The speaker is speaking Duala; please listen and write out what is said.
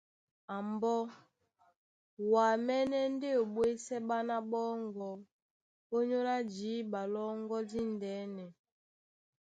A mbɔ́, wǎmɛ́nɛ́ ndé o ɓwésɛ́ ɓána ɓɔ́ŋgɔ̄ ónyólá jǐɓa lɔ́ŋgɔ̄ díndɛ́nɛ.